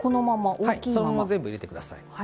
そのまま全部入れてください。